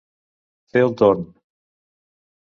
Fer el torn.